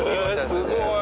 すごい！